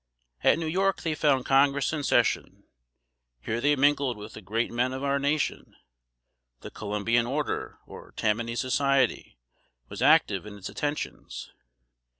At New York they found Congress in session. Here they mingled with the great men of our nation. The "Columbian Order," or "Tammany Society," was active in its attentions.